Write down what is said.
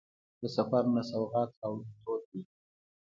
د سفر نه سوغات راوړل دود دی.